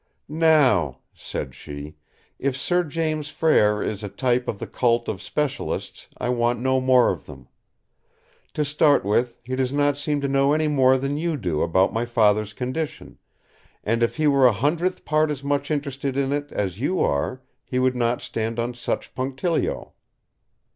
"Now," said she, "if Sir James Frere is a type of the cult of Specialists, I want no more of them. To start with, he does not seem to know any more than you do about my Father's condition; and if he were a hundredth part as much interested in it as you are, he would not stand on such punctilio.